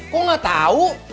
kok tidak tahu